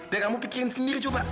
dan kamu pikirin sendiri coba